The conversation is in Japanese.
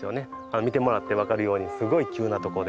見てもらって分かるようにすごい急な所で。